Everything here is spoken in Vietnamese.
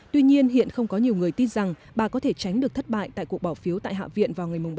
tuy nhiên hiện không có nhiều người tin rằng bà có thể tránh được thất bại tại cuộc bỏ phiếu tại hạ viện vào ngày ba tháng sáu tới